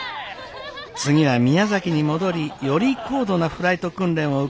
次は宮崎に戻りより高度なフライト訓練を受けることになります。